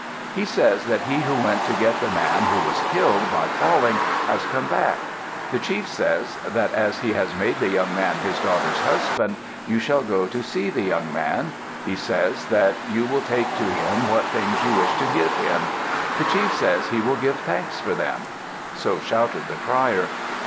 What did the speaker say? "He says that he who went to get the man who was killed by falling has come back. The chief says that as he has made the young man his daughter's husband you shall go to see the young man. He says that you will take to him what things you wish to give him. The chief says he will give thanks for them." So shouted the crier.